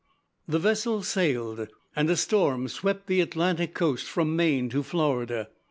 The vessel sailed and a storm swept the Atlantic coast from Maine to Florida.